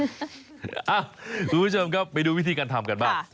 คุณผู้ชมครับไปดูวิธีการทำกันบ้าง